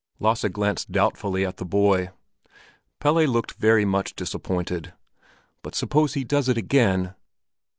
Lasse glanced doubtfully at the boy. Pelle looked very much disappointed. "But suppose he does it again?"